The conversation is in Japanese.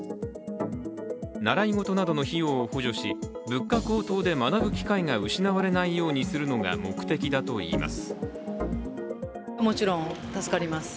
習い事などの費用を補助し物価高騰で学ぶ機会が失われないようにすることが目的だといいます。